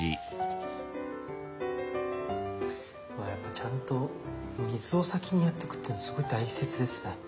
やっぱちゃんと水を先にやっておくっていうのすごい大切ですね。